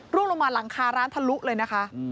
ลงมาหลังคาร้านทะลุเลยนะคะ